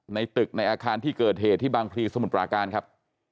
ในตึกในอาคารที่เกิดเหตุที่บางพลีสมุทรปราการครับ